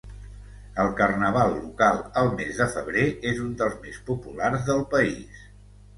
El carnaval local al mes de febrer és un dels més populars del país.